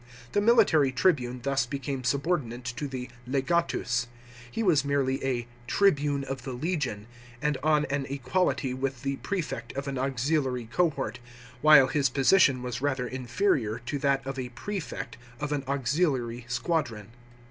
The military tribune thus became subordinate to the legatus. He was merely a " tribune of the legion," and on an equality with the prefect of an auxiliary cohort, while his position was rather inferior to that of a prefect of an auxiliary squadron.